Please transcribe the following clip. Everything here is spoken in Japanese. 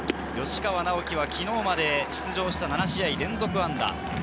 吉川尚輝は昨日まで出場した７試合連続安打。